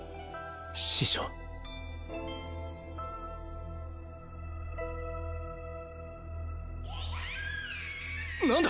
師匠何だ！？